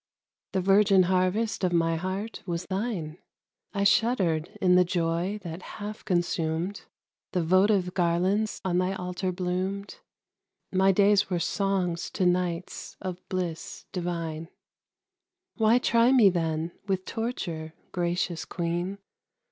The virgin harvest of my heart was thine, I shuddered in the joy that half consumed; The votive garlands on thy altar bloomed, My days were songs to nights of bliss divine. Why try me, then, with torture, gracious Queen?